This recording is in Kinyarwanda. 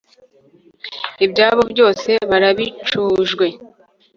ibyabo byose barabicujwe